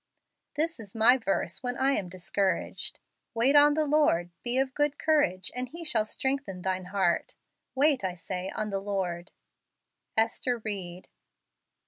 This is my verse when I am discour¬ aged: "Wait on the Lord; be of good courage and he shall strengthen thine heart : wait, I say, on the Lord." Ester Ried.